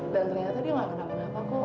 dan ternyata dia gak kenal kenal apa